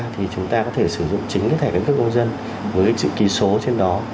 thì chúng ta có thể sử dụng chính cái thẻ cân cấp công dân với cái dự ký số trên đó